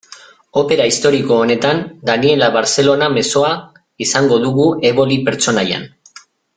Opera historiko honetan, Daniella Barcellona mezzoa izango dugu, Eboli pertsonaian.